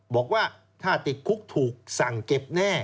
บอกว่าถ้าติดคุกถูกสั่งเก็บแน่